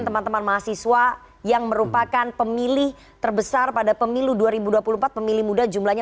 teman teman mahasiswa yang merupakan pemilih terbesar pada pemilu dua ribu dua puluh empat pemilih muda jumlahnya